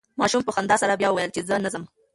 ماشوم په خندا سره بیا وویل چې زه نه ځم.